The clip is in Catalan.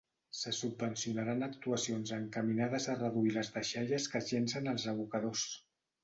Se subvencionaran actuacions encaminades a reduir les deixalles que es llencen als abocadors.